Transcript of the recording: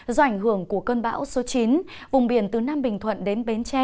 do ảnh hưởng của cơn bão số chín vùng biển từ nam bình thuận đến bến tre